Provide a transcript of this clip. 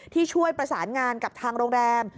ที่ช่วยประสานงานกับทางโรงแรม